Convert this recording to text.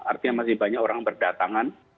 artinya masih banyak orang berdatangan